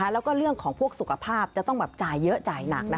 แล้วก็เรื่องของพวกสุขภาพจะต้องจ่ายเยอะจ่ายหนัก